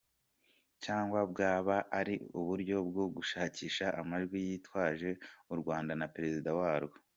Cyangwa bwaba ari uburyo bwo gushakisha amajwi yitwaje u Rwanda na perezida warwo?